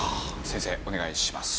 先生お願いします。